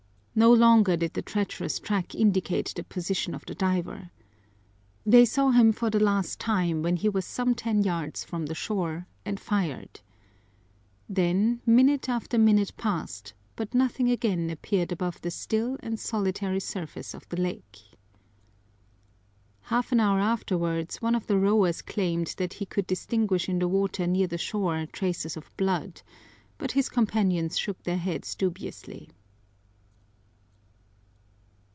No longer did the treacherous track indicate the position of the diver. They saw him for the last time when he was some ten yards from the shore, and fired. Then minute after minute passed, but nothing again appeared above the still and solitary surface of the lake. Half an hour afterwards one of the rowers claimed that he could distinguish in the water near the shore traces of blood, but his companions shook their heads dubiously.